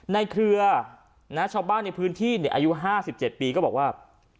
เครือชาวบ้านในพื้นที่อายุ๕๗ปีก็บอกว่า